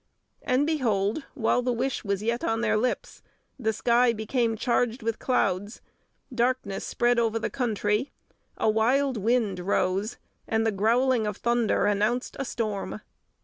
And behold, while the wish was yet on their lips, the sky became charged with clouds, darkness spread over the country, a wild wind rose, and the growling of thunder announced a storm.